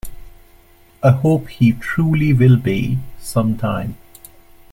I hope he truly will be, sometime.